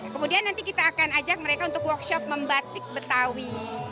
kemudian nanti kita akan ajak mereka untuk workshop membatik betawi